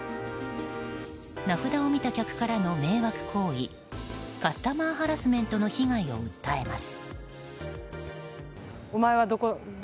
名札を見た客からの迷惑行為カスタマーハラスメントの被害を訴えます。